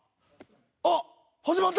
あっ！